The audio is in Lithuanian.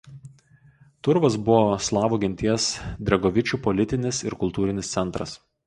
Turovas buvo slavų genties dregovičių politinis ir kultūrinis centras.